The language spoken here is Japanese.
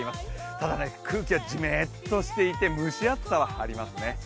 ただ空気はじめっとしていて蒸し暑さはありますね。